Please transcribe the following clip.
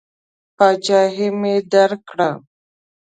پاچهي مې درکړه.